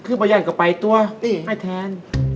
คือบายกับไปตัวไอแทน